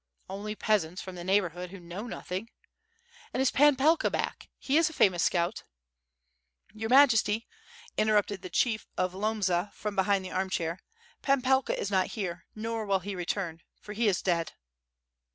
"Only peasants from the neighborhood who know noth ing." "And is Pan Pelka back? he is a famous scout." "Your Majesty," interrupted the Chief of Lomza from be hind the arm chair, "Pan Pelka is not here, nor will he re turn, for he is dead."